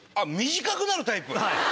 短くなるタイプ